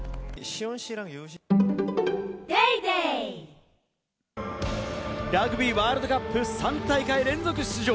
続くラグビーワールドカップ３大会連続出場！